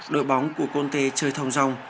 đội bóng của conte chơi thông rong